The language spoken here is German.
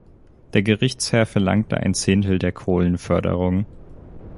Der Gerichtsherr verlangte ein Zehntel der Kohlenförderung.